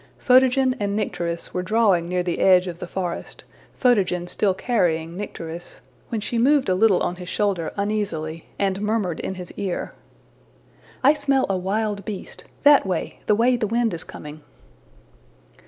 Photogen and Nycteris were drawing near the edge of the forest, Photogen still carrying Nycteris, when she moved a little on his shoulder uneasily and murmured in his ear. ``I smell a wild beast that way, the way the wind is coming.''